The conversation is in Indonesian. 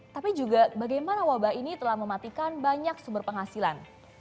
tapi juga bagaimana wabah ini telah mematikan banyak sumber penghasilan